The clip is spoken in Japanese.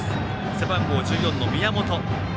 背番号１４番の宮本。